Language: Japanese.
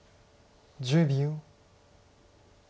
１０秒。